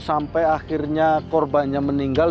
sampai akhirnya korbannya meninggal